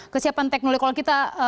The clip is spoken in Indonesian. kesiapan teknologi kalau kita